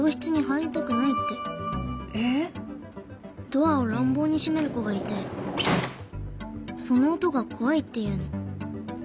ドアを乱暴に閉める子がいてその音が怖いって言うの。